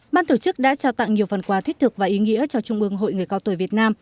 ban tổ chức đã trao tặng nhiều phần quà thích thực và ý nghĩa cho trung ương hội người cao tuổi việt nam